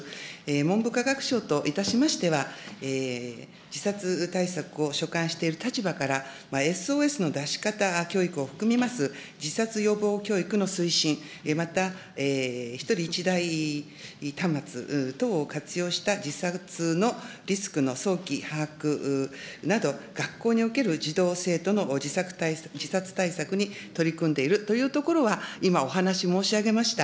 文部科学省といたしましては、自殺対策を所管している立場から、ＳＯＳの出し方教育を含みます自殺予防教育の推進、また、１人１台端末等を活用した自殺のリスクの早期把握など、学校における児童・生徒の自殺対策に取り組んでいるというところは、今、お話申し上げました。